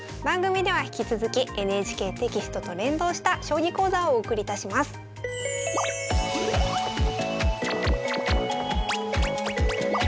番組では引き続きＮＨＫテキストと連動した将棋講座をお送りいたします。